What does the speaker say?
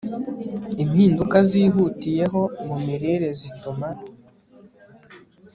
Impinduka zihutiyeho mu mirire zituma